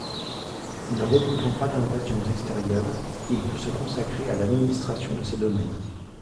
Ne redoutant pas d'invasions extérieures, il put se consacrer à l'administration de ses domaines.